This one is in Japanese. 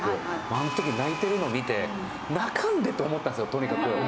「あの時泣いてるのを見て泣かんで！って思ったんですよとにかく」